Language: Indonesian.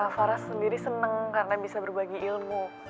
farah sendiri seneng karena bisa berbagi ilmu